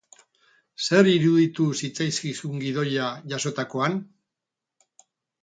Zer iruditu zitzaizkizun gidoia jasotakoan?